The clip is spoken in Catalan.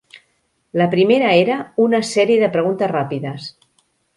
La primera era una sèrie de preguntes ràpides.